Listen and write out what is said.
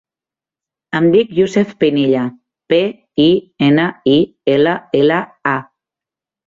Em dic Yousef Pinilla: pe, i, ena, i, ela, ela, a.